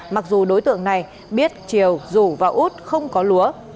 mặc dù đối tượng này biết triều rủ và út không có lúa